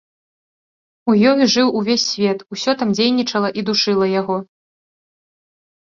У ёй жыў увесь свет, усё там дзейнічала і душыла яго.